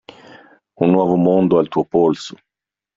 Un nuovo mondo al tuo polso.